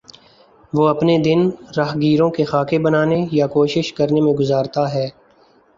وہ اپنے دن راہگیروں کے خاکے بنانے یا کوشش کرنے میں گزارتا ہے